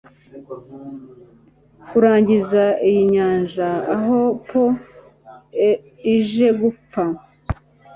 kurangiza iyi nyanja aho Po ije gupfa